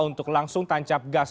untuk langsung tancap gas